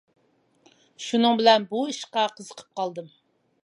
شۇنىڭ بىلەن بۇ ئىشقا قىزىقىپ قالدىم.